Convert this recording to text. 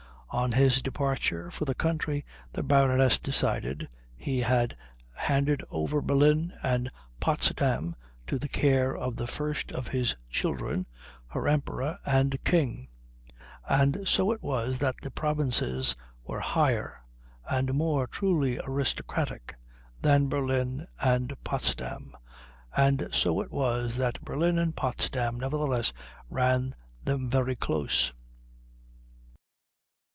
On His departure for the country, the Baroness decided, He had handed over Berlin and Potsdam to the care of the First of His children, her Emperor and King; and so it was that the provinces were higher and more truly aristocratic than Berlin and Potsdam, and so it was that Berlin and Potsdam nevertheless ran them very close.